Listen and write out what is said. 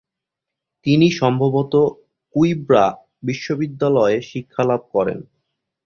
তিনি সম্ভবত কুইঁব্রা বিশ্ববিদ্যালয়ে শিক্ষালাভ করেন।